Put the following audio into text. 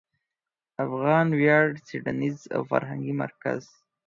افغان ویاړ څېړنیز او فرهنګي مرکز